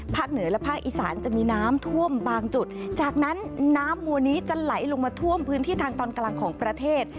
เหนือและภาคอีสานจะมีน้ำท่วมบางจุดจากนั้นน้ำมัวนี้จะไหลลงมาท่วมพื้นที่ทางตอนกลางของประเทศ